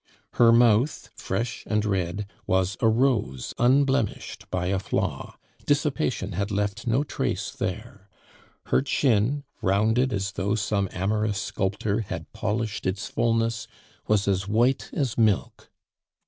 Her mouth, fresh and red, was a rose unblemished by a flaw, dissipation had left no trace there. Her chin, rounded as though some amorous sculptor had polished its fulness, was as white as milk.